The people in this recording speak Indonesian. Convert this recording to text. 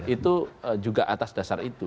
itu juga atas dasar itu